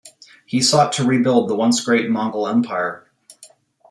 He sought to rebuild the once great Mongol Empire.